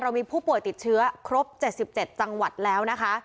เรามีผู้ป่วยติดเชื้อครบเจ็ดสิบเจ็ดจังหวัดแล้วนะคะค่ะ